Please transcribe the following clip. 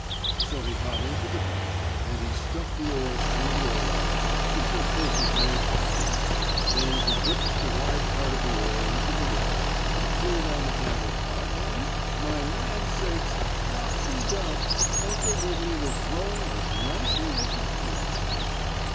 So he got into the boat, and he stuck the oars through the oarlocks, which are places made for them, then he dipped the wide part of the oar into the water and pulled on the handle part and, my land sakes, flopsy dub! Uncle Wiggily was rowing as nicely as you please.